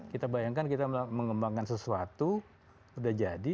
kita bayangkan kita mengembangkan sesuatu sudah jadi